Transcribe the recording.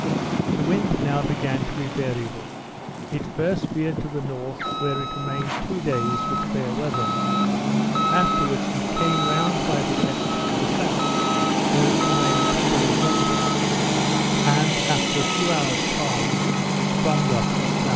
The wind now began to be variable. It first veered to the north, where it remained two days with fair weather. Afterwards it came round by the west to the south, where it remained two days longer, and, after a few hours calm, sprung up at S.W.